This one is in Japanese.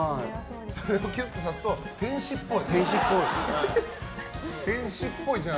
それをキュッとすると天使っぽい。